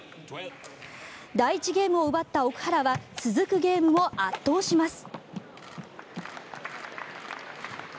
第１ゲームを奪った奥原は続くゲームも圧倒します。